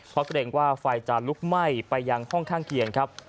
เพราะเกรงว่าไฟจะลุกไหม้ไปยังห้องข้างเคียงครับ